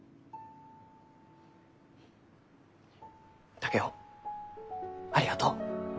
竹雄ありがとう。